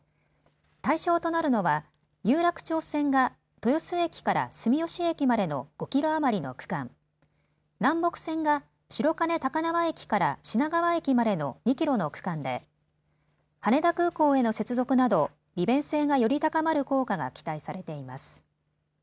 対象となるのは有楽町線が豊洲駅から住吉駅までの５キロ余りの区間、南北線が白金高輪駅から品川駅までの２キロの区間で羽田空港への接続など利便性がより高まる効果が期待されています。